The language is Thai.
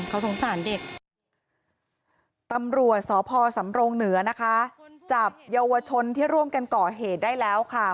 เขาสงสารเด็กตำรวจสพสำรงเหนือนะคะจับเยาวชนที่ร่วมกันก่อเหตุได้แล้วค่ะ